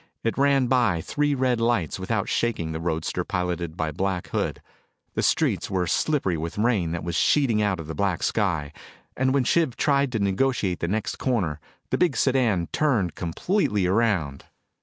It ran by three red lights without shaking the roadster piloted by Black Hood. The streets were slippery with rain that was sheeting out of the black sky, and when Shiv tried to negotiate the next corner, the big sedan turned completely around.